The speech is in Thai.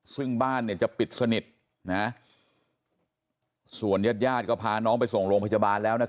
ซึ่งบ้านเนี่ยจะปิดสนิทนะฮะส่วนญาติญาติก็พาน้องไปส่งโรงพยาบาลแล้วนะครับ